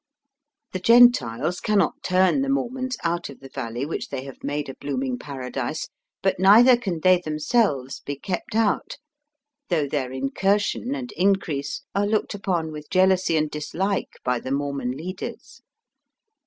The Gentiles cannot turn the Mormons out of the valley which they have made a blooming paradise; but neither can they themselves be kept out, though their incursion and increase are looked upon with jealousy and disHke by the Mormon leaders.